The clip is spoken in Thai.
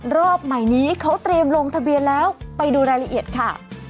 รอบใหม่นี้เขาเตรียมลงทะเบียนแล้วไปดูรายละเอียดค่ะ